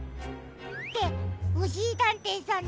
っておしりたんていさん